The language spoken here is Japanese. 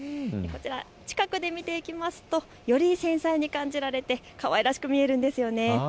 近くで見ていきますと、より繊細に感じられてかわいらしく見えるんですよね。